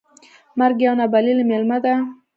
مرګ یو نا بللی میلمه ده .